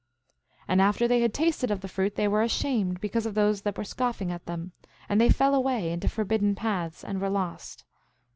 8:28 And after they had tasted of the fruit they were ashamed, because of those that were scoffing at them; and they fell away into forbidden paths and were lost.